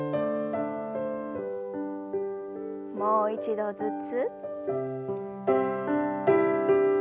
もう一度ずつ。